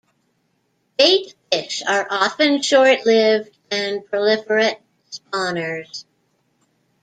Bait fish are often short-lived and proliferate spawners.